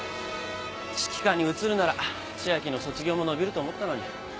指揮科に移るなら千秋の卒業も延びると思ったのに。